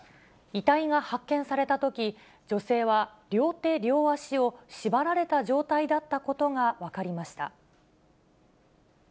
遺体が発見されたとき、女性は両手両足を縛られた状態だったことが分かりました。